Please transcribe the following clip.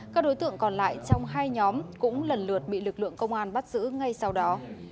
các đối tượng còn lại trong hai nhóm cũng lần lượt bị lực lượng công an bắt giữ ngay sau đó